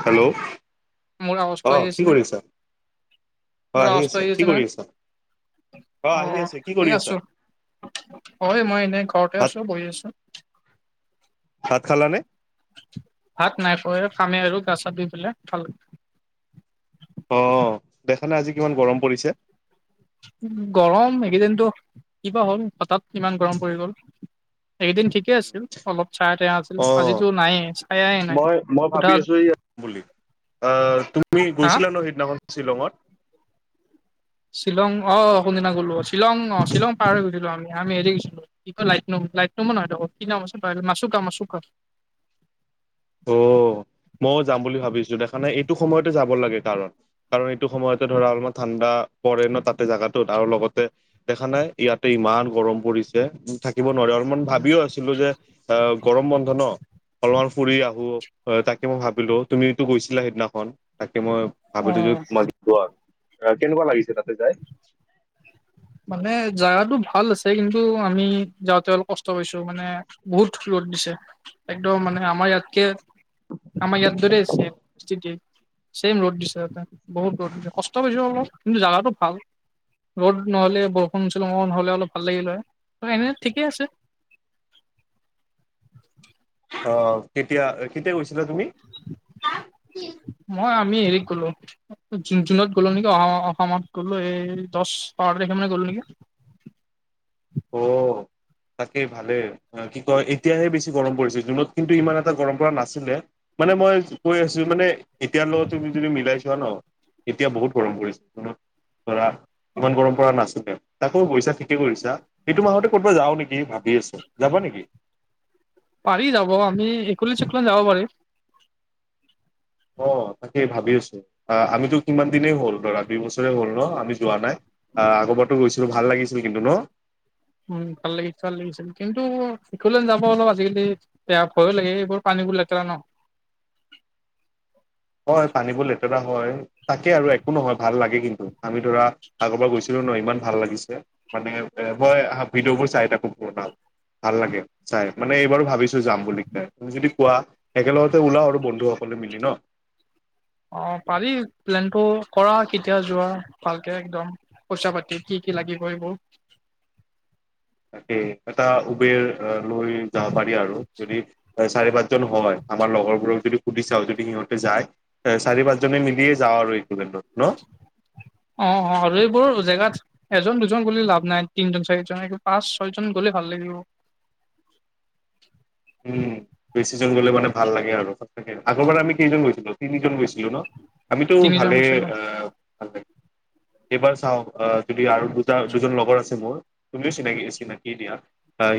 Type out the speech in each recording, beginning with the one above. Hello? মোৰ অ আৱাজটো আহি কি আছে নে? কৰি আছা অ মোৰ আৱাজটো আছা আহি কি আছে নে? কৰি আছা অ আহি আছে কি কৰি এই আছা আছো। হয় মই এনেই ঘৰতে ভাত আছো বহি আছো। ভাত খালা নে? ভাত নাই খ খামে আৰু গা চা ধুই পেলাই ভাল অ, দেখালে আজি কিমান গৰম পৰিছে? গৰম এইকেইদিনটো কিবা হ'ল হঠাৎ কিমান গৰম পৰি গ'ল। এইকেইদিন ঠিকে আছিল অলপ চায়া টায়া আছিল অ আজিতো নায়ে চায়ায়ে নাই মই মই ভাবি সোধা আছো বুলি আহ তুমি হা গৈছিলা ন সিদিনাখন শ্বিলঙত শ্বিলং অ কোনদিনা গ'লো শ্বিলং অ শ্বিলং পাৰ হৈ গৈছিলো আমি আমি হেৰি গেছিলো কি লাইট লাইট নম ন কি নাম আছে মাছুকা মাছুকা। [inaudible] উম। মইও যাম বুলি ভাবিছিলো দেখানে এইটো সময়তে যাব লাগে কাৰণ, কাৰণ এইটো সময়তে ধৰা অলপমান ঠাণ্ডা আ, পৰে ন তাতে জাগাটোত আৰু লগতে দেখা নাই ইয়াতে ইমান গৰম পৰিছে, টো থা থাকিব নোৱাৰে অলপমান ভাবিও আছিলো যে অ গৰম বন্ধ ন, অলপমান ফুৰি আহো অ তাকে মই ভাবিলো তুমিতো গৈছিলা সেইদিনাখন। তে মই ভাবিলো যে অ', তোমাক দিব আৰু কেনেকুৱা লাগিছে তাতে যায়? [unintelligible] মানে জাগাতো ভাল আছে কিন্তু আমি যাওঁতে অলপ কষ্ট পাইছো মানে বহুত ৰদ দিছে। ছে, একদম মানে আমাৰ ইয়াতকে আমাৰ ইয়াত যদি ছেম ছেম ৰ'দ দিছে ততে বহুত ৰ'দ দিছে কষ্ট কৰিছো অলপ কিন্তু জাগাটো ভাল। ৰ'দ নহলে বৰষুণ চলং নহলে অলপ ভাল লাগিল হয়, ত এনে ঠিকেই আছে। [unintelligible] অ কেতিয়া কেতিয়া গৈছিলা তুমি? মই আমি হেৰিত গলো, জু -জুনত গলো নেকি অ- অ -অসমত গলো এই দশ- বাৰ তাৰিখ মানে গলো। [unintelligible] অ তাকে ভালে কি কয় এতিয়াহে বেছি গৰম পৰিছিল জুনত কিন্তু ইমান এটা গৰম পৰা নাছিলে। মানে মই কৈ আছো মানে এতিয়াৰ লগত তুমি যদি মিলাই চোৱা ন এতিয়া বহুত গৰম কৰিছে ধৰা ইমান গৰম পৰা নাছিলে তাকো গৈছা ঠিক কৰিছা এইটো মাহতে ক'বা যাওঁ নেকি ভাবি আছো। যাবা নেকি? পাৰি যাব আমি একলেণ্ড চেকলেণ্ড যাব পাৰি। অ তাকেই ভাবি আছো আহ আমিতো কিমান দিনেই হ'ল ধৰা দুই বছৰে হল ন আমি যোৱা নাই। আহ আগবাৰটো গৈছিলো ভাল লাগিছিল কিন্তু ন। উম ভাল লাগিছিল ভাল লাগিছিল কিন্তু অকলেণ্ড যাব অলপ আজিকালি বেয়া ভয়ো লাগে এইবোৰ পানী বোৰ লেতেৰা ন। হয় পানীবোৰ লেতেৰা হয় তাকে আৰু একো নহয় ভাল লাগে কিন্তু আমি ধৰা আগৰ পৰা গৈছো ন ইমান ভাল লাগিছে মানে এ মই ভিডিঅ' বোৰ চাই থাকো বনাম ভাল লাগে চাই মানে এইবাৰো ভাবিছো যাম বুলি কিনে তুমি যদি কোৱা একেলগতে ওলাও আৰু বন্ধুসকল মিলি ন। অ পাৰি প্লেন টো কৰা কেতিয়া যোৱা ভালকে একদম পইচা পাতি কি কি কি লাগিব এইবোৰ তাকেই এটা উবেৰ লৈ যাব পাৰি আৰু যদি চাৰি পাঁচ জন হয় আমাৰ লগৰবোৰক যদি সুধি চাও যদি সিহঁতে যায় এ চাৰি পাঁচজনে মিলিয়ে যাওঁ আৰু একুকেণ্ডত অ অ আৰু এইবোৰ জেগাত। এজন দুজন গলে লাভ নাই তিনজন চাৰিজন এক পাঁচ ছয়জন গ'লে ভাল লাগিব। [unintelligible] চিজন গ'লে মানে ভাল লাগে আৰু ছবে। আগৰবাৰ আমি কেইজন গৈছিলো? তিনিজন গৈছিলোঁ ন আমিতো তিনিজন ভালে গৈছিলো ভাল অ [inaudible] এইবাৰ চাও আহ যদি আৰু দুটা দুজন লগৰ আছে মোৰ তুমিও চিনাকি- চিনাকি দিয়া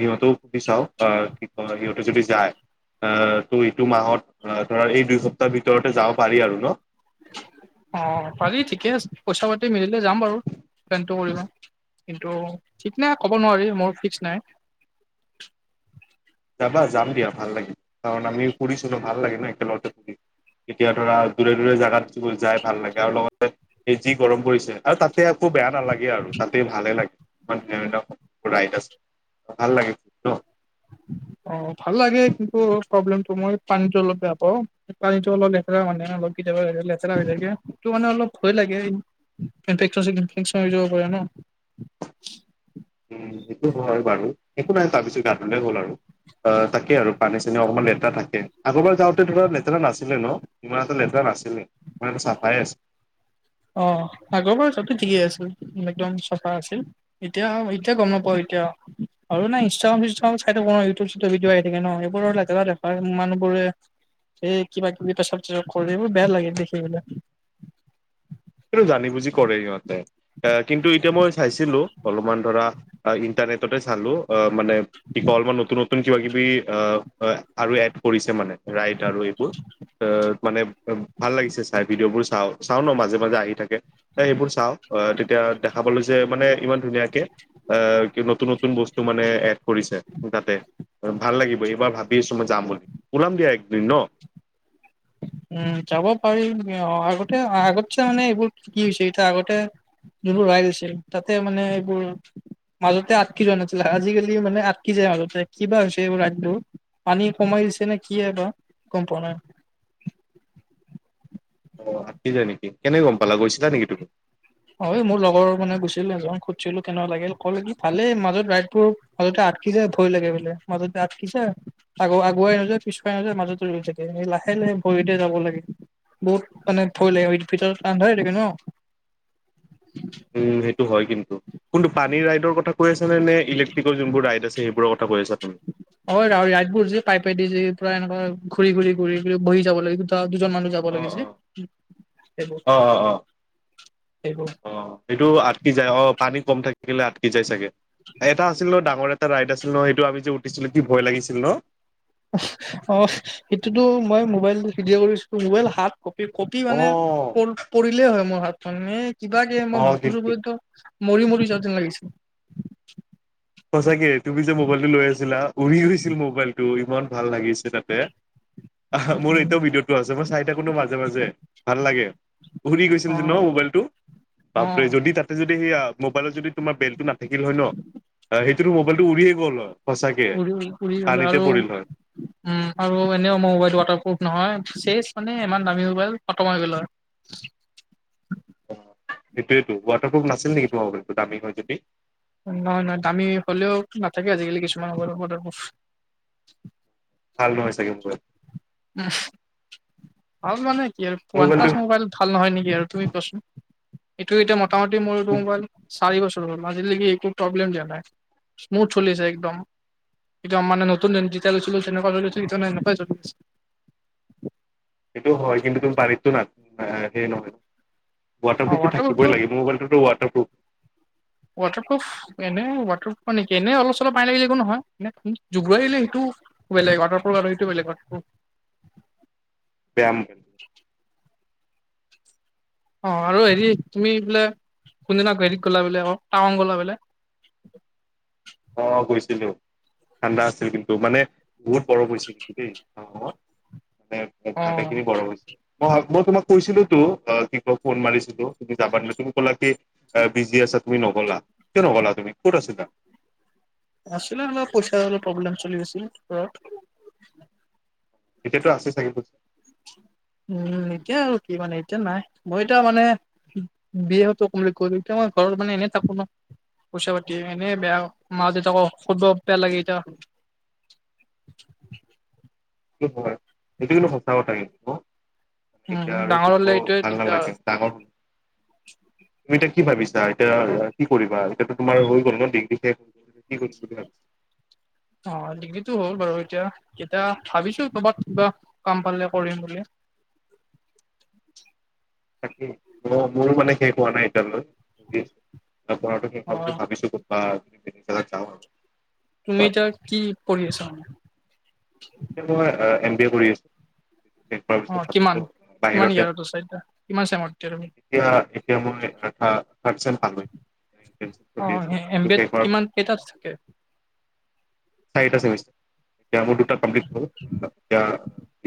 সিহঁতেও সুধি চাও, বা কি কয় সিহঁতে যদি যায়। অহ ত' এইটো মাহত ধৰা এই দুই সপ্তাহ ভিতৰতে যাব পাৰি আৰু ন? অ পাৰি ঠিকে আছে, পইচা-পাতি মিলিলে যাম বাৰু প্লেনটো কৰিবা। কিন্তু ঠিক নাই ক'ব নোৱাৰি মোৰ ফিক্স নাই। যাবা যাম দিয়া ভাল লাগিল, কাৰণ আমি ফুৰিছিলো ভাল লাগে ন একেলগতে ফুৰি। এতিয়া ধৰা দূৰে-দূৰে জাগাত যাই ভাল লাগে, আৰু লগতে যি গৰম পৰিছে, আৰু তাত- তে একো বেয়া নালাগে আৰু তাতেই ভালে লাগে। মান ধুনীয়া ধুনীয়া [unintelligible] আছে ভাল লাগে ন। অ ভাল লাগে কিন্তু প্ৰব্লেমটো মই পানীটো অলপ বেয়া পাওঁ, পানীটো অলপ লেতেৰা মানে অলপ দেৱা' লেতেৰা হৈ থাকে। মানে অলপ ভয় লাগে, ইনফেকচন চিনফেকচন হৈ যাব পাৰে ন। উম সেইটো হয় বাৰু একো নাই তাৰ পিছত গা ধোলে হ'ল আৰু, অ তাকেই আৰু পানী-চানী অকণমান লেতেৰা থাকে। আগৰবাৰ যাওঁতে ধৰা লেতেৰা নাছিলে ন, ইমান এটা লেতেৰা নাছিলে, এটা চাফাই আছিল। অ আগৰ বাৰ জোৱাটো ঠিকেই আছিল, একদম চাফা আছিল এতিয়া- এতিয়া গম নাপ আৰু নাই ইষ্ট্ৰাগাম-চিচটাগাম চাই থাকো ন, ইউতিভত ভিদিঅ আহি থাকে ন, এইবোৰত লেতেৰা দেখাই মানুহ এই কিবা-কিবি পেচাব চেচাব কৰে, এইবোৰ বেয়া লাগে দেখি পেলাই। সেটো জানি বুজি কৰে ইিহঁতে। কিন্তু এতিয়া মই চাইছিলো, অলপমান ধৰা ইণ্টাৰনেটতয়ে চালো, অ মান কি ক, অলপমান নতুন নতুন কিবা-কিবি অহ আৰু এড কৰিছে মানে। ৰাইড আৰু এইবোৰ অ' মানে ভাল লাগিছে চাই ভিডিঅ' বোৰ চাওঁ, চাও ন মাজে-মাজে আহি থাকে। এ সেইবোৰ চাওঁ, আহ তেতিয়া দেখা পালো যে মানে ইমান ধুনীয়াকে অ নতুন নতু নতুন বস্তু মানে এড কৰিছে তাতে। ভাল লাগিব এইবাৰ ভাবি আছো মই যাম বুলি, ওলাম দিয়া একদিন ন। [inaudible] উম' যাব পাৰি, আগতে আগতছে মানে এইবোৰ কি হৈছে এতিয়া আগতে যোনবোৰ ৰাইড আছিল তাতে মানে এইবোৰ মাজতে আটকি যোৱা নাছিলে, আজিকালি মানে আটকি যায় মাজতে, কি বা হৈছে এইবোৰ ৰাইডবোৰ পানী সোমাই ছেনে কিয়ে বা, গম পোৱা নাই। কি যায় নেকি কেনেকে গম পালা, গৈছিলা নেকি তুমি? অ মোৰ লগৰ মানে গৈছিল এজনক সুধিছিলো কেনেকা লাগিল, ক'লে কি ভালে মাজত ৰাইডটো মাজতে আটকি আটকি য যে ভয় লাগে বোলে মাজতে আটকিছে আগ আগুৱাই নযায় পিছুৱাই নাযায় মাজতে ৰৈ থাকে‌ লাহে ভৰিতে যাব লাগে, বহুত মানে ভয় লাগে ভিতৰতো আন্ধাৰে থাকে ন। [inaudible] উম সেইটো হয় কিন্তু, কোনটো পানী ৰাইডৰ কথা কৈ আছানে, নে ইলেক্ট্ৰিকেল যোনবোৰ ৰাইড আছে সেইবোৰৰ কথা কৈ আছা। তুমি? অ ৰাইডবোৰ যে পাইপেদি যে পুৰা এনেুৱা ঘূৰি, ঘূৰি, ঘূৰি ৰি বহি যাব লাগে দুটা দুজন মানুহ যাব লাগে যে, সেইবোৰ। সেইবোৰ অ সেইটো আটকি যায় অ, পানী কম থাকিলে আ যাই চাগে, এটা আছিল ন ডাঙৰ এটা ৰাইড আছিল ন সেইটো আমি যে উঠিছিলো, কি ভয় লাগিছিল ন? অহ' সেইটোতো মই মোবাইল ভিদিঅ কৰিছো মোবাইল হাত কপি, কপি মানে অ', প পৰিলেই হয় মোৰ হাতখন এ কিবাকে মই অ', বুকু কিন্তু। চুকু মৰি মৰি যোৱা যেন লাগিছে। সঁচাকে তুমি যে মোবাইলটো লৈ আছিলা উৰি গৈছিল মোবাইল টো ইমান ভাল লাগিছে তাতে আহ' মোৰ উম, এতিয়াও ভিডিঅ'টো আছে মই চাই থাকো নো মাজে-মাজে ভাল লাগে। ঘূৰি গৈছিল যে ন অ', মোবাইলটো। বাপৰে, অ', যদি তাতে যদি সেইয়া মোবাইলত যদি তোমাৰ বেল্টটো নাথাকিল হয় ন। সেইটো মবাইলটো উৰিয়ে গ'ল হয়। সঁচাকে উৰি, উৰি গ'লে পানীতে আৰু পৰিল হয়। উম' আৰু এনেও মোৰ মোবাইলটো ৱাটাৰপ্ৰুফ নহয়। চেচ মানে ইমান দামী মোবাইল খতম হৈ গ'ল হয়। অ সেইটোয়টো ৱাটাৰপ্ৰুফ নাছিল নেকি মবাইলটো দামী হয় যদি? নহয় নহয় দামী হলেও নাথাকে আজিকালি কিছুমান সৰু সৰু বচ ভাল নহয় চাগে মোৰ উ হল মানে। কি ওৱান মোবাইলটো প্লাছ মোবাইল ভাল নহয় নেকি আৰু তুমি কচোন এইটো এটা ম মোতা মোতি মোৰ এইটো মোবাইল। চাৰি বছৰ হ'ল আজিলেকি একো প্ৰব্লেম দিয়া নাই স্মুথ চলিছে একদম। এতিয়া মানে নতুন যেতিয়া লৈছিলো তেনেকা চলৈছো এতিয়া এনেকাই চলছে। সেইটো হয় কিন্তু তুমি বাৰীতটো না সেই নহয়। ৱাটাৰপ্ৰুফটো থাকিবই লাগে মোৰ মোবাইলটোতো ৱাটাৰপ্ৰুফ ৱাটাৰপ্ৰুফ এনে ৱাটাৰপ্ৰুফ মানে কি এনে অলপ চলপ পানী পৰিলে একো নহয় এ জুবুয়ালে সেইটো বেলেগ ৱাটাৰপ্ৰুফ টো বেলেগ হয়। ব্যায়াম অ আৰু হেৰি তুমি বোলে কোনদিনা হেৰিত গলা বোলে টাওন গ'লা বোলে [inaudible] ছিলো ঠাণ্ডা আছিল কিন্তু মানে বহুত গৰম হৈছে কিন্তু দেই। মানে অ ভাত এখিনি বৰ হৈছে মই মই তোমাক কৈছিলো তো অ কি ক ফোন মাৰিছিলো তুমি যাবা নে তুমি ক'লা কি বিজি আছা তুমি গলা কিয় নগলা তুমি ক'ত আছিলা? আছিলে অলপ পইচা অলপ প্ৰব্লেম চলি আছিল ঘৰত এতিয়াতো আছে চাগে পইচা। উম এতিয়া আৰু কি মানে এতিয়া নাই মই এতিয়া মানে বি এ টো কমপ্লিট কৰিলো এতিয়া ঘৰত মানে এনেই থাকো ন। পইচা পাতি এনে বেয়া মা দেউতাক খুজিব বেয়া লাগে এতিয়া। [inaudible] সেইটো হয় সেইটো কিন্তু সঁচা কথা কিন্তু অ মানে এতিয়া উম আৰু ডাঙৰ খুজিব হলে এইটোৱে ভাল দিগদাৰ নালাগে ডাঙৰ [inaudible] তুমি এতিয়া কি ভাবিছা এতিয়া কি কৰিবা এতিয়াটো তোমাৰ হৈ গ'ল ন ডিগ্ৰী। কি কৰিম বুলি ভাবিছা। অ ডিগ্ৰীটো হ'ল বাৰু এতিয়া এতিয়া ভাবিছো কৰবাত কিবা কাম পালে কৰিম বুলি। [inaudible] তাকেই মোৰো মানে শেষ হোৱা নাই এতিয়ালৈ পঢ়ি বা পঢ়াটো শেষ অ হ'ল বুলি ভাবিছো ক'তবা ভাল জেগাত যাও তুমি এতিয়া কি পঢ়ি আছা মই এম বি এ কৰি আছো শেষ অ হোৱা কিমান পাছত কিমান ইয়াৰত আছা এতিয়া কিমান চেমত এতিয়া তুমি। এয়া এতিয়া মই থাৰ্ট চেম পাম গৈ। অ এম বি এত কিমান [unintelligible] কেইটাত থাকে চাৰিটা চেমিছটাৰ এতিয়া মোৰ দুটা কমপ্লিত হ'ল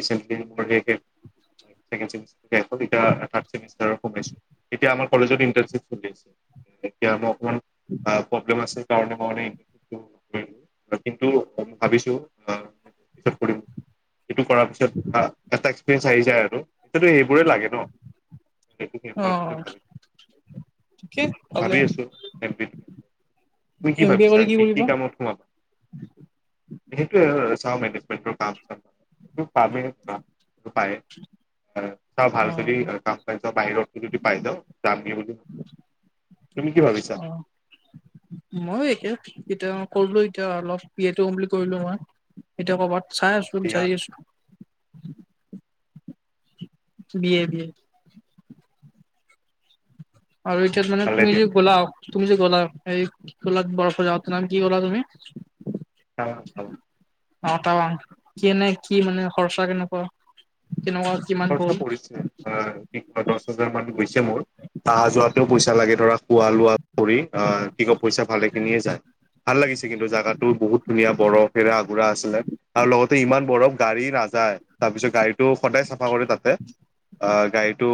এতিয়া দুই নম্বৰ শেষ চেকেণ্ড চেমিছটাৰ শেষ হ'ল এতিয়া থাৰ্ট চেমিছটাৰ সোমাইছো এতিয়া মই কলেজত ইণ্টাৰ্ণশিপ চলি আছে এতিয়া মোৰ অকণমান প্ৰব্লেম আছে। সেইকাৰণে মই মানে ইন্টা কৰিল কিন্তু ভাবিছো আ। পিছত কৰিম সটো কৰাৰ পিছত এটা এক্সপিৰিয়েঞ্চ আহি যায় আৰু সেইটো মোৰে লাগে ন অ সেইটো ঠিকে ভালে ভাবি আছো এম প তুমি কি এম বি এ ভাবিছা কৰি কি কি কৰিবা কামত সোমাবা সেইটোয়ে আৰু চাও মেনেজমেণ্টৰ কাম এটা কিন্তু পাম নে নেপাম ।যদি পাও চাওঁ ভাল অ যদি কাম পাই যাওঁ বাহিৰতো যদি পাই যাওঁ যামগে বুলি তুমি কি ভাবিছা। মইয়ো একেই কৰিলো এতিয়া অলপ বি এ টো কমপিলিড কৰিলো মই এতিয়া কৰবাত চাই আছো দিয়া বিচাৰি আছো দিয়ে দিয়ে আৰু এতিয়া মানে ভালে তুমি দিয়া যি গ'লা তুমি যে গ'লা এই খলাত বৰফ জাগাটোৰ নাম কি ক'লা তুমি? অ অ। অ তা কি এনে কি মানে খৰচা কেনেকুৱা কেনেকুৱা কিমান খৰচা গ'ল পৰিছে কি ক দহ হাজাৰ মান গৈছে মোৰ অহা যোৱাটো পইচা লাগে ধৰা খোৱা লোৱা কৰি আহ কি ক পইচা ভালে খিনিয়ে যায় ভাল লাগিছে কিন্তু জাগাটো বহুত ধুনীয়া বৰফেৰে আগ আছিল আৰু লগতে ইমান বৰফ গাড়ী নাযায় তাৰপিছত গাড়ীটো সদায় চাফা চাফা কৰে তাতে অ গাড়ীটো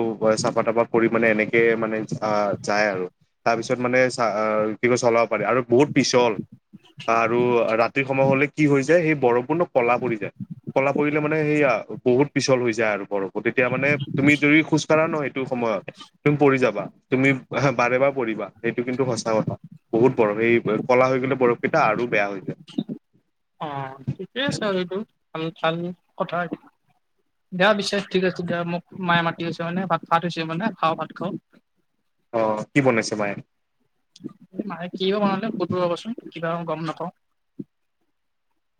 চাফা তাফা কৰি মানে এনেকে মানে আহ যায় আৰু তাৰ পিছত মানে চ কি কয় চলাব পাৰি আৰু বহুত পিছল আৰু ৰাতি সময় হলে কি হৈ যায় সেই বৰফপূৰ্ণ কলা পৰি যায় কলা পৰিলে মানে সেইয়া বহুত পিছল হৈ যায় যায় আৰু বৰফটো তেতিয়া মানে তুমি যদি খোজ কাঢ়া নহয় সময়ত তুমি পৰি যাবা তুমি বাৰে বাৰে পৰিবা সেইটো কিন্তু সঁচা কথা বহুত বৰফ এই কলা হৈ গ'লে বৰফকেইটা আৰু বেয়া হৈ যায় অ ঠিকেই আছে আৰু এইটো ভাল ভাল কথা দিয়া বিশ্বাস ঠিক আছে দিয়া মোক মায়ে মাতি আছে মানে ভাত ভাত হৈছে মানে খাওঁ ভাত খাও অ কি বনাইছে মায়ে মায়ে কিয় বনালে সুধো ৰ'বাচোন কিবা গম নাপাওঁ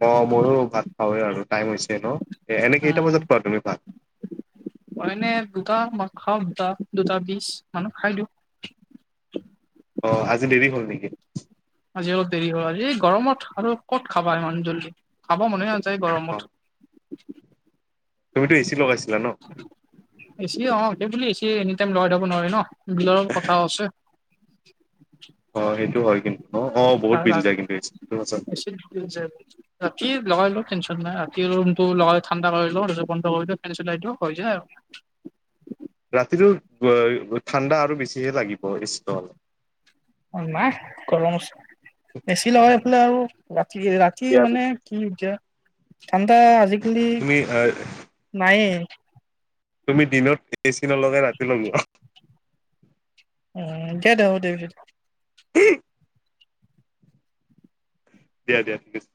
অ ময়ো ভাত খাওঁৱে আৰু টাইম হৈছে ন এনে কেইটা বজাত খোৱা তুমি ভাত মানে দুটা খাও বা দুটা বিচ মানত খাই দিওঁ। অ আজি দেৰি হ'ল নেকি? আজিও দেৰি হল এই গৰমত আৰু ক'ত খাবা ইমান জল্দি খ। খাব মনে নাযায় অ গৰমত। তুমিতো এচি লগাইছিলা ন? অ সেইবুলি এচি এনি টাইম লগাই থব নোৱাৰি ন বিলৰ কথাও আছে। অ সেইটো হয়। কিন্তু ন অ। বহুত বিল যায় কিন্তু এচি সেইটো সঁচা [unintelligible] ৰাতি লগাই লওঁ টেনশ্যন নাই ৰাতি ৰুমটো লগাই ঠাণ্ডা কৰি লও তাৰ পিছত বন্ধ কৰি দিও ফেন চলাই দিও হৈ যায় আৰু। [unintelligible] ৰাতিটো ব ঠাণ্ডা আৰু বেছিহে লাগিব এ চি লগালে। অ নাহ গৰম আছে। এ চি লগাই এইফালে আৰু ৰাতি দিয়া মানে কি এতিয়া ঠাণ্ডা আজি কালি তুমি আহ নাই এ। তুমি দিনত এ চি নলগাই ৰাতি লগোৱা। উম দে দে হ'ব দে পিছত দিয়া দিয়া ঠিক আছে।